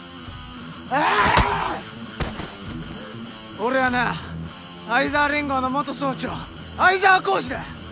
俺はな愛沢連合の元総長愛沢浩司だ。